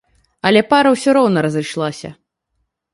Але пара ўсё роўна разышлася.